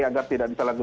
agar tidak bisa lancar